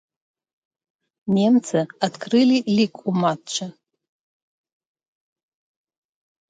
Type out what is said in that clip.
Немцы адкрылі лік ў матчы.